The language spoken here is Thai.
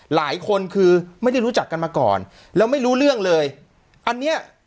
หลายคนคือไม่ได้รู้จักกันมาก่อนแล้วไม่รู้เรื่องเลยอันเนี้ย